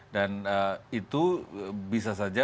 dan itu bisa saja